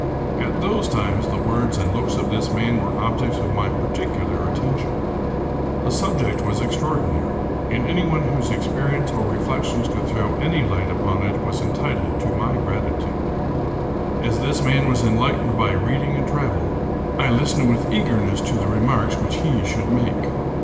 At those times the words and looks of this man were objects of my particular atten tion. The subject was extraordinary; and anyone whose experience or reflections could throw any light upon it was entitled to my gratitude. As this man was enlightened by reading and travel, I listened with eagerness to the remarks which he should make.